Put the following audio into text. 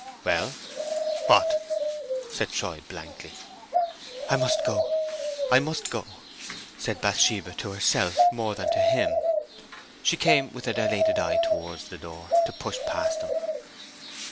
"Well—what?" said Troy, blankly. "I must go! I must go!" said Bathsheba, to herself more than to him. She came with a dilated eye towards the door, to push past him.